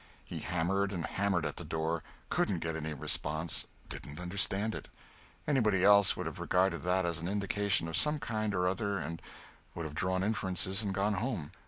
He hammered and hammered at the door; couldn't get any response; didn't understand it. Anybody else would have regarded that as an indication of some kind or other and would have drawn inferences and gone home.